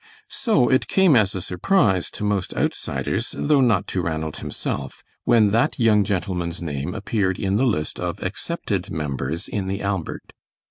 So it came as a surprise to most outsiders, though not to Ranald himself, when that young gentleman's name appeared in the list of accepted members in the Albert.